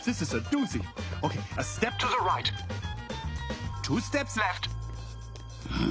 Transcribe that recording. うん。